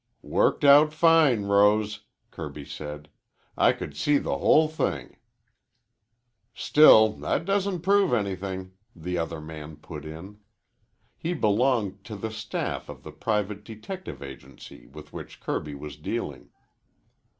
"Worked out fine, Rose," Kirby said. "I could see the whole thing." "Still, that don't prove anything," the other man put in. He belonged to the staff of the private detective agency with which Kirby was dealing.